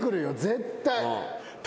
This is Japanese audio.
絶対。